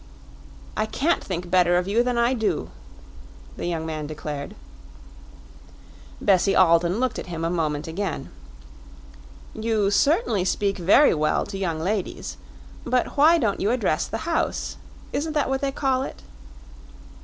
"I can't think better of you than I do," the young man declared. Bessie Alden looked at him a moment again. "You certainly speak very well to young ladies. But why don't you address the House? isn't that what they call it?"